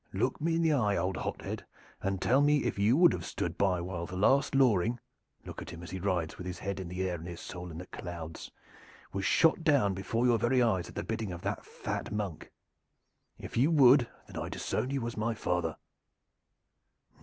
Look me in the eye, old hothead, and tell me if you would have stood by while the last Loring look at him as he rides with his head in the air and his soul in the clouds was shot down before your very eyes at the bidding of that fat monk! If you would, then I disown you as my father."